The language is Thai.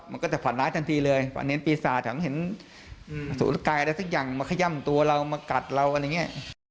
มันก็จะผ่อนร้ายทันทีเลยเพราะมันเห็นปีศาจเห็นสูตรกายอะไรสักอย่างมาขย่ำตัวเรามากัดเราอะไรอย่างนี้